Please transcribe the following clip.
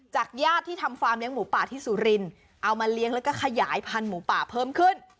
ญาติที่ทำฟาร์มเลี้ยหมูป่าที่สุรินทร์เอามาเลี้ยงแล้วก็ขยายพันธุหมูป่าเพิ่มขึ้น